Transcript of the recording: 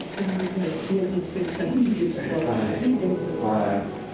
はい。